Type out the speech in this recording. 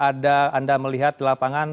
ada anda melihat lapangan